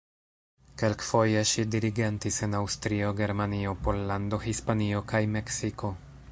Kelkfoje ŝi dirigentis en Aŭstrio, Germanio, Pollando, Hispanio, kaj Meksiko.